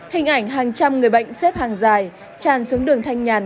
hình ảnh hàng trăm người bệnh xếp hàng dài tràn xuống đường thanh nhàn